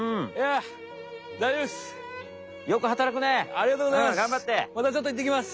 ありがとうございます！